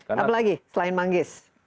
apa lagi selain manggis